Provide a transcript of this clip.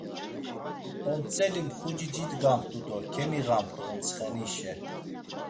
Omtzeli mxuci cidgamt̆u do kemiğamt̆u ontsxenişe.